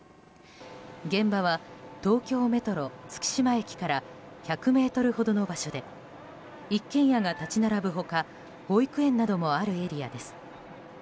現場は、東京メトロ月島駅から１００ｍほどの場所で一軒家が立ち並ぶ他保育園などもあるエリアです。